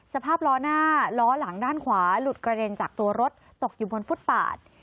สภาพล้อหน้าล้อหลังด้านขวาหลุดกระเด็นจากตัวรถตกอยู่บนฟุตปาด